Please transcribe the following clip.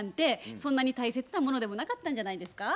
そんなに大切なものでもなかったんじゃないですか？